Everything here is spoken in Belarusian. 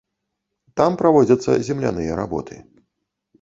Там праводзяцца земляныя работы.